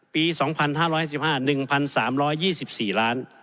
ปี๒๕๑๕๑๓๒๔ล้าน